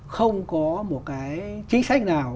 không có một cái chính sách nào